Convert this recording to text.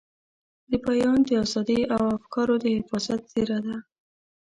د بیان د ازادۍ او افکارو د حفاظت څېره ده.